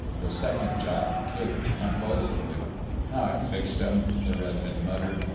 The second Jap kicked convulsively. "I fixed him!" the redhead muttered.